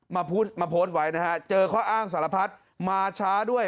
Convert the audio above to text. มาโพสต์ไว้นะฮะเจอข้ออ้างสารพัดมาช้าด้วย